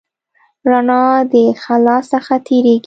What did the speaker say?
رڼا د خلا څخه تېرېږي.